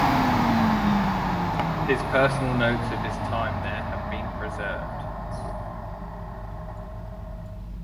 His personal notes of his time there have been preserved.